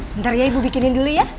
sebentar ya ibu bikinin dulu ya